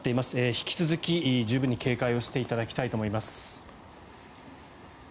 引き続き十分に警戒をしていただきたいと思います。